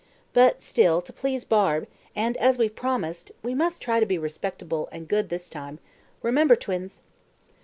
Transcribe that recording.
But still, to please Barbe, and as we've promised, we must try to be respectable and good this time. Remember, twins!"